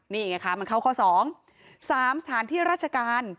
นี่ไงคะมันเข้าข้อ๒๓สถานที่ราชการ